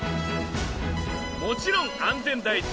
もちろん安全第一。